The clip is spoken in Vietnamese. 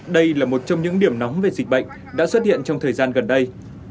đây là một trong những điểm nóng về dịch bệnh đã xuất hiện trong thời gian gần đây